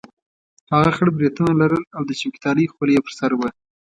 هغه خړ برېتونه لرل او د چوکیدارۍ خولۍ یې پر سر وه.